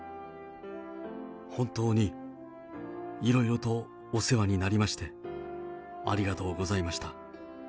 本当にいろいろとお世話になりまして、ありがとうございました。